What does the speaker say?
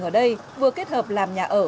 ở đây vừa kết hợp làm nhà ở